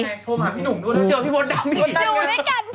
โทรมาพี่หนุ่มด้วยเจอพี่บนดำอีก